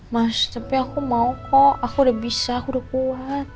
mas tapi aku mau kok aku udah bisa aku udah kuat